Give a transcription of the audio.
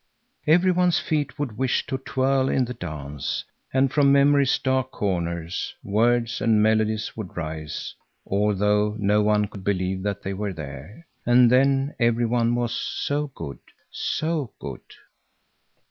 Every one's feet would wish to twirl in the dance, and from memory's dark corners words and melodies would rise, although no one could believe that they were there. And then every one was so good, so good!